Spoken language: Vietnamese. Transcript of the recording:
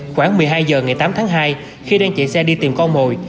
khoảng một mươi hai h ngày tám tháng hai khi đang chạy xe đi tìm con mồi